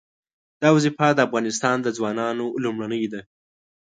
دا وظیفه د افغانستان د ځوانانو لومړنۍ ده.